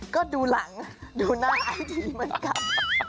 ก็ดูหลังดูหน้าไอทีเหมือนกัน